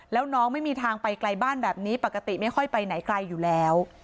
แล้วน้องไม่มีทางไปไกลบ้านแบบนี้ปกติไม่ค่อยไปไหนไกลอยู่แล้ว